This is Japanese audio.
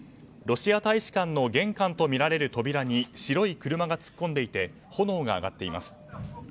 ロシア大使館の玄関とみられる扉に白い車が突っ込んでいて炎が上がっています。